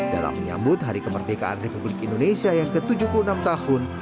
dalam menyambut hari kemerdekaan republik indonesia yang ke tujuh puluh enam tahun